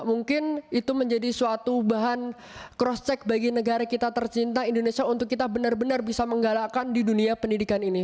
mungkin itu menjadi suatu bahan cross check bagi negara kita tercinta indonesia untuk kita benar benar bisa menggalakkan di dunia pendidikan ini